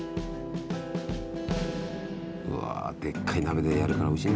うわでっかい鍋でやるからおいしいんだろうな。